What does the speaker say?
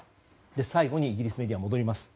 最後にイギリスメディアに戻ります。